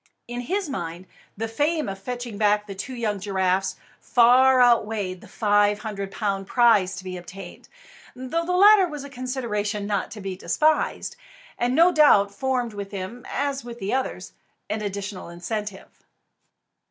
In his mind, the fame of fetching back the two young giraffes far outweighed the five hundred pound prize to be obtained, though the latter was a consideration not to be despised, and no doubt formed with him, as with the others, an additional incentive.